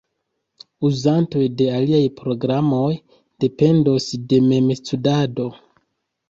Uzantoj de aliaj programoj dependos de memstudado.